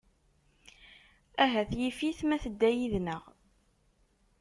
Ahat yif-it ma tedda yid-nneɣ.